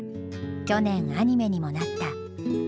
去年アニメにもなった。